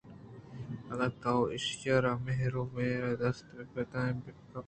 اگاں تو ایشی ءَ را مُہرءَمُہر دستءَبِہ پتاتینءُ بہ گپتیں